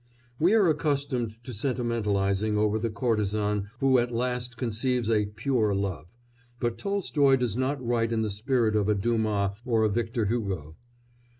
We are accustomed to sentimentalising over the courtesan who at last conceives a "pure" love, but Tolstoy does not write in the spirit of a Dumas or a Victor Hugo.